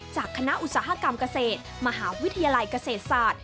จากคณะอุตสาหกรรมเกษตรมหาวิทยาลัยเกษตรศาสตร์